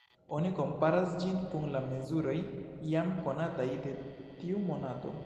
Oni komparas ĝin kun la mezuroj jam konataj de tiu monato.